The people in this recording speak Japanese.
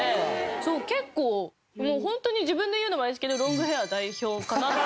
そう結構ホントに自分で言うのもあれですけどロングヘア代表かなって。